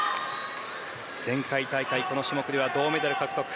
前回大会、この種目では銅メダル獲得。